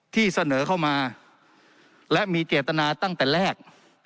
ที่เสนอเข้ามาและมีเจตนาตั้งแต่แรก